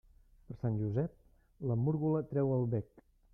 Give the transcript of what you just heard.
Per Sant Josep, la múrgola treu el bec.